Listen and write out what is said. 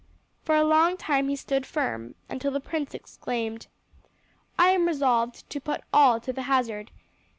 For a long time he stood firm, until the prince exclaimed: "I am resolved to put all to the hazard.